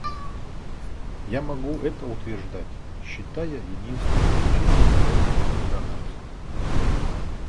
Я могу это утверждать, считая единственным исключением влияние психоанализа.